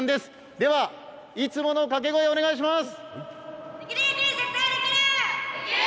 では、いつもの掛け声お願いします。